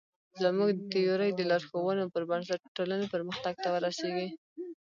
زموږ د تیورۍ د لارښوونو پر بنسټ ټولنې پرمختګ ته ورسېږي.